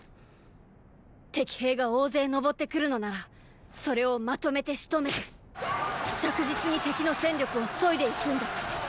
敵兵が大勢登って来るのならそれをまとめてしとめて着実に敵の戦力を削いでいくんだ！